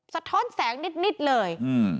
สะท้อนแสงนิดเลย